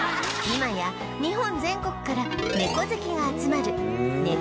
今や日本全国から猫好きが集まる「いい！」